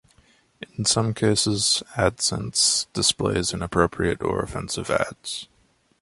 In some cases, AdSense displays inappropriate or offensive ads.